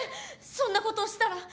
そんなことをしたら。